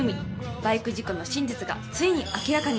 バイク事故の真実がついに明らかに。